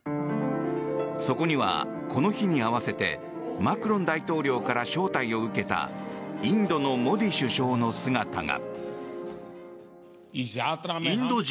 そこには、この日に合わせてマクロン大統領から招待を受けたインドのモディ首相の姿が。